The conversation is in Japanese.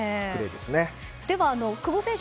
では久保選手